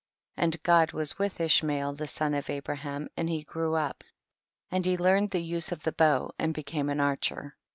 12. And God was with Ishmael the son of Abraham, and he grew up and he learned the use of the bow and became an archer.